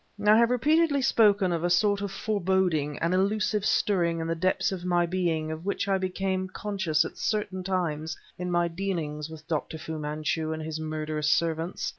I have repeatedly spoken of a sort of foreboding, an elusive stirring in the depths of my being of which I became conscious at certain times in my dealings with Dr. Fu Manchu and his murderous servants.